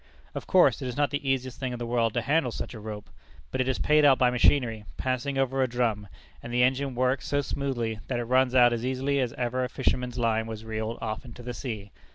Of course it is not the easiest thing in the world to handle such a rope. But it is paid out by machinery, passing over a drum; and the engine works so smoothly, that it runs out as easily as ever a fisherman's line was reeled off into the sea.